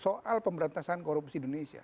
soal pemberantasan korupsi indonesia